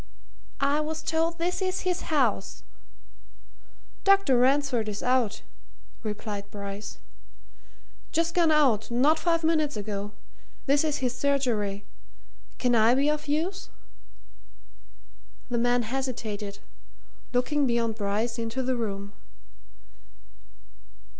"I was told this is his house." "Dr. Ransford is out," replied Bryce. "Just gone out not five minutes ago. This is his surgery. Can I be of use?" The man hesitated, looking beyond Bryce into the room.